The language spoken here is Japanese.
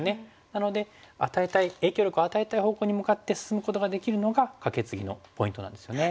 なので与えたい影響力を与えたい方向に向かって進むことができるのがカケツギのポイントなんですよね。